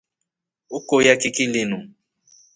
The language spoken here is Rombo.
Ukovya kiki linu.